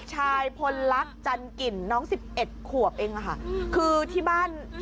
ว้ยตายแล้วดูน้องร้องหน่อยค่ะ